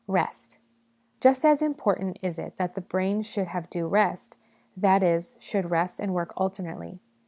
Rest. Just as important is it that the brain should have due rest ; that is, should rest and work alternately.